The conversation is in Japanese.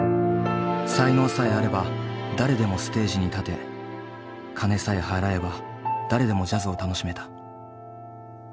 才能さえあれば誰でもステージに立て金さえ払えば誰でもジャズを楽しめた。